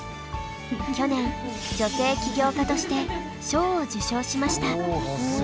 去年女性起業家として賞を受賞しました。